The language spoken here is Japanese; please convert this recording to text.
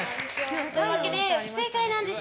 というわけで、不正解なんです。